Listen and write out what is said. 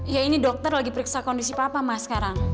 ya ini dokter lagi periksa kondisi papa mas sekarang